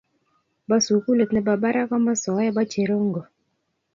bo sukulit nebo barak komosoe bo cherongo.